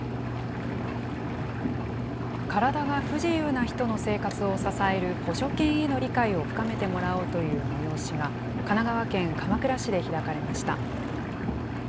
体が不自由な人の生活を支える補助犬への理解を深めてもらおうという催しが神奈川県鎌倉市で開かれました。